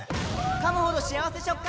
かむほど幸せ食感！